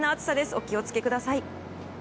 お気を付けください。